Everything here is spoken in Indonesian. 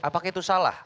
apakah itu salah